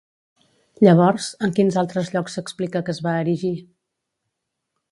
Llavors, en quins altres llocs s'explica que es va erigir?